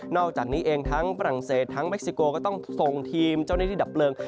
อกจากนี้เองทั้งฝรั่งเศสทั้งเม็กซิโกก็ต้องส่งทีมเจ้าหน้าที่ดับเพลิง